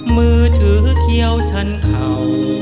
มือถือเคี้ยวชั้นเข่า